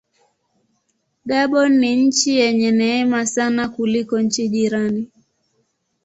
Gabon ni nchi yenye neema sana kuliko nchi jirani.